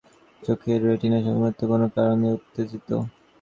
চোখের রেটিনা সম্ভবত কোনো কারণে উত্তেজিত।